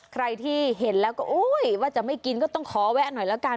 ใครที่เห็นแล้วก็ว่าจะไม่กินก็ต้องขอแวะหน่อยละกัน